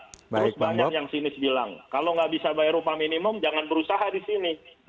terus banyak yang sinis bilang kalau nggak bisa bayar upah minimum jangan berusaha di sini